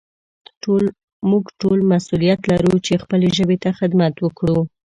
موږ ټول مسؤليت لرو چې خپلې ژبې ته خدمت وکړو.